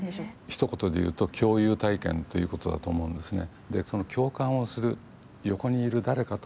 ひと言でいうと共有体験ということだと思うんですね。